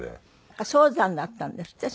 早産だったんですって？